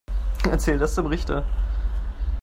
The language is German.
Erzähl das dem Richter.